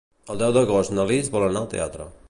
El deu d'agost na Lis vol anar al teatre.